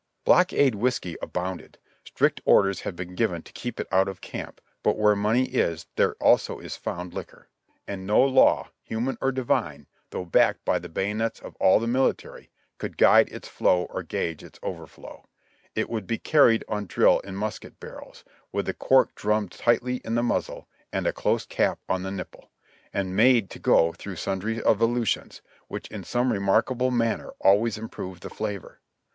Blockade whiskey abounded; strict orders had been given to keep it out of camp, but where money is, there also is found liquor ; and no law, human or divine, though backed by the bayo nets of all the military, could guide its flow or gauge its overflow; it would be carried on drill in musket barrels, with a cork drum med tightly in the muzzle and a close cap on the nipple ; and made to go through sundry evolutions, which in some remarkable man ner always improved the flavor.